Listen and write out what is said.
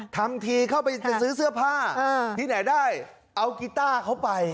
ทำทีเข้าไปจะซื้อเสื้อผ้าที่ไหนได้เอากีต้าเขาไป